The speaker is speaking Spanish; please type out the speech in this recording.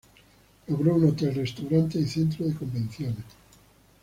Logró un hotel, restaurante y centro de convenciones.